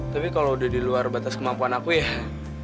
tapi kalau udah di luar batas kemampuan aku ya